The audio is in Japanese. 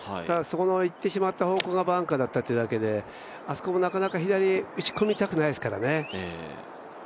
ただ、行ってしまった方向がバンカーだったというだけであそこもなかなか左へ打ち込みたくないですからね。